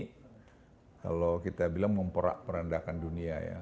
karena covid sembilan belas ini kalau kita bilang memporak perendahkan dunia ya